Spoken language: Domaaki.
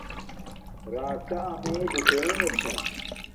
راکا امے بوٹنݣ چھا